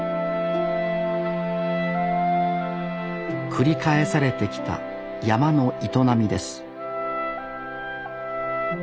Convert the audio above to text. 繰り返されてきた山の営みです